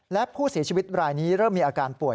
และผู้เสียชีวิตรายนี้เริ่มมีอาการป่วย